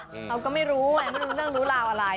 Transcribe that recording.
เราก็ไม่รู้ไงไม่รู้เรื่องรู้ราวอะไร